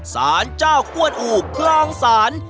สารเจ้ากวนอูกรองสาร